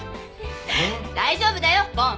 大丈夫だよボン。